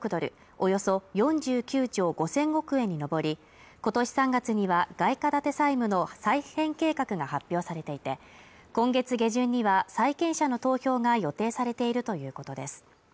およそ４９兆５０００億円に上り今年３月には外貨建て債務の再編計画が発表されていて今月下旬には債権者の投票が予定されているということです